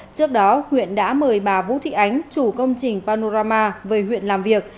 trước đó huyện đã mời bà vũ thị ánh chủ công trình panorama về huyện làm việc